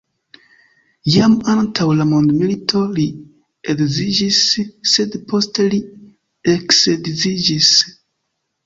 Jam antaŭ la mondomilito li edziĝis, sed poste li eksedziĝis.